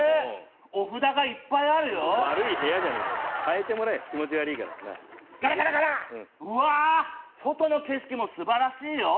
お札がいっぱいあるよ悪い部屋じゃねえか替えてもらえ気持ち悪いからなあガラガラガラッうわ外の景色も素晴らしいよ